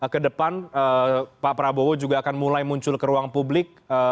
kedepan pak prabowo juga akan mulai muncul ke ruang publik